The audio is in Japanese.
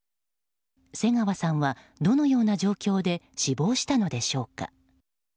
瀬川さんはどのような状況で死亡したのでしょうか。